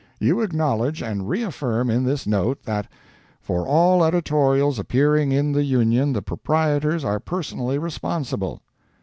You acknowledge and reaffirm in this note that "For all editorials appearing in the Union, the proprietors are personally responsible."